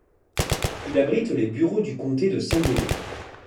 Il abrite les bureaux du comté de San Diego.